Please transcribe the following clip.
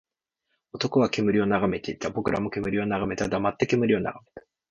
男は煙を眺めていた。僕らも煙を眺めた。黙って煙を眺めた。